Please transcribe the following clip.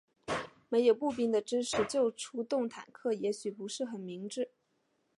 没有步兵的支持就出动坦克也许不是很明智。